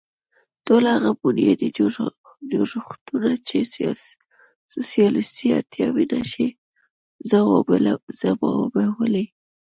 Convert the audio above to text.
ټول هغه بنیادي جوړښتونه چې سوسیالېستي اړتیاوې نه شي ځوابولی.